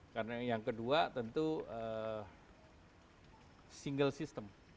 karena yang kedua tentu single system